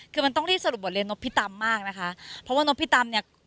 คือมันต้องรีบสรุปบทเรียนนพิตำมากนะคะเพราะว่านบพิตำเนี่ย